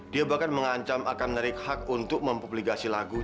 dia bahkan mengancam akan menarik hak untuk mempubligasi lagu